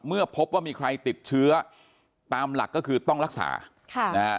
เมื่อพบว่ามีใครติดเชื้อตามหลักก็คือต้องรักษาค่ะนะฮะ